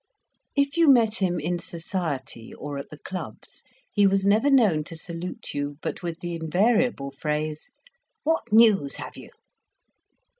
If you met him in society, or at the clubs, he was never known to salute you but with the invariable phrase, "What news have you?"